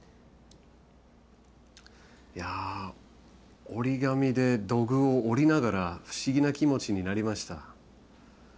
いや折り紙で土偶を折りながら不思議な気持ちになりました。